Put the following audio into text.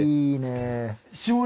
いいね。